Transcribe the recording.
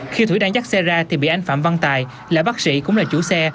khi thủy đang dắt xe ra thì bị anh phạm văn tài là bác sĩ cũng là chủ xe